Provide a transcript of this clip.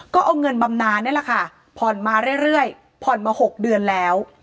ก็เอาเงินบำนานนี่แหละค่ะผ่อนมาเรื่อยผ่อนมา๖เดือนแล้ว